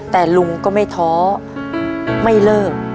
แต่ลุงก็ไม่ท้อไม่เลิก